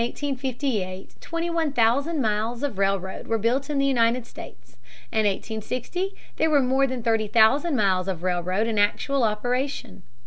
Between 1849 and 1858 twenty one thousand miles of railroad were built in the United States, In 1860 there were more than thirty thousand miles of railroad in actual operation.